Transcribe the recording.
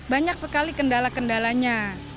banyak sekali kendala kendalanya